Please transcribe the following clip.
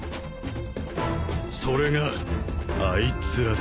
それがあいつらだ。